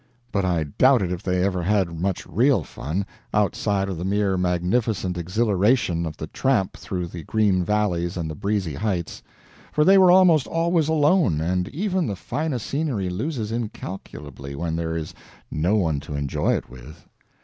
But I doubted if they ever had much real fun, outside of the mere magnificent exhilaration of the tramp through the green valleys and the breezy heights; for they were almost always alone, and even the finest scenery loses incalculably when there is no one to enjoy it with.